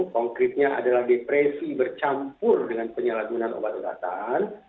konkretnya adalah depresi bercampur dengan penyalahgunaan obat obatan